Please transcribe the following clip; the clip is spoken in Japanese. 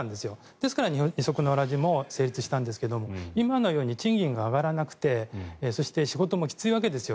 ですから二足のわらじも成立したんですが今のように賃金が上がらなくてそして仕事もきついわけですよ